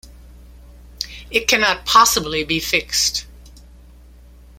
It cannot possibly be fixed.